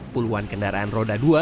puluhan kendaraan roda dua